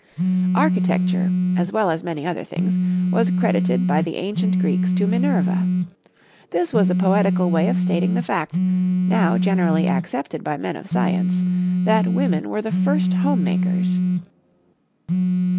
Architecture, as well as many other things, was credited by the ancient Greeks to Minerva. This was a poetical way of stating the fact now generally accepted by men of science that women were the first homemakers.